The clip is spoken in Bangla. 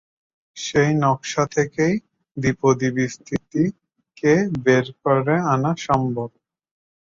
সেই নকশা থেকেই 'দ্বিপদী বিস্তৃতি' কে বের করে আনা সম্ভব।